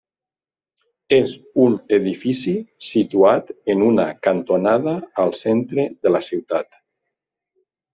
És un edifici situat en una cantonada al centre de la ciutat.